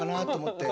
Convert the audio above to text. って。